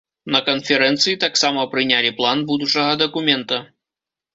На канферэнцыі таксама прынялі план будучага дакумента.